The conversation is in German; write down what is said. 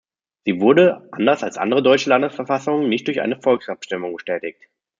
Sie wurde, anders als andere deutsche Landesverfassungen, nicht durch eine Volksabstimmung bestätigt.